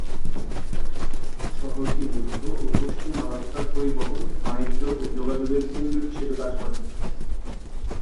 শহরটি মধ্য ও পশ্চিম আলাস্কার পরিবহন, বাণিজ্য ও যোগাযোগের কেন্দ্র হিসেবে কাজ করে।